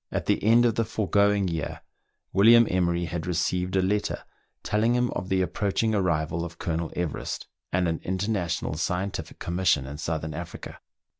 ^ the end of the foregoing year, William Emery had receive«j a letter telling him of the approaching arrival of Colonel Everest, and an international scientific commission in South ern Africa.